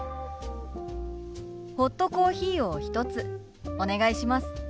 ホットコーヒーを１つお願いします。